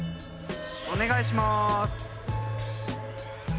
お願いします。